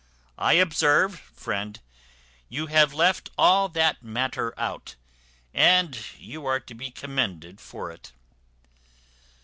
I observe, friend, you have left all that matter out, and you are to be commended for it."